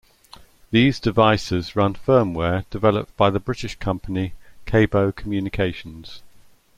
These devices run firmware developed by the British company Cabot Communications.